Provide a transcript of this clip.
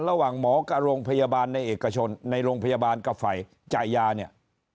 ระหว่างหมอกับโรงพยาบาลในเอกชนในโรงพยาบาลกับฝ่ายจ่ายยาเนี่ย